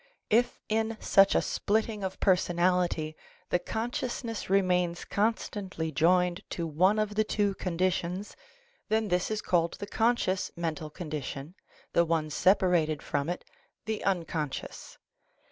If in such a splitting of personality the consciousness remains constantly joined to one of the two conditions, then this is called the conscious mental condi tion, the one separated from it, the unconscious.